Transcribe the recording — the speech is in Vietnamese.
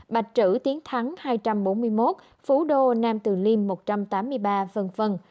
bạch trữ tiến thắng hai trăm bốn mươi một phú đô nam từ liêm một trăm tám mươi ba v v